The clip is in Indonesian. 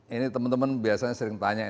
ini teman teman biasanya sering tanya ya